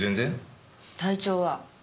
体調は？